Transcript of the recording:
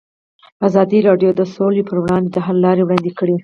ازادي راډیو د سوله پر وړاندې د حل لارې وړاندې کړي.